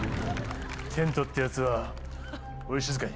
テントってやつはおい静かに。